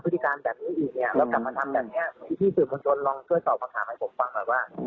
ที่ที่สื่อมนตรนลองช่วยตอบปัญหาให้ผมฟังแบบว่า